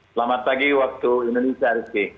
selamat pagi waktu indonesia rizky